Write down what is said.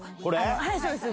はい、そうです。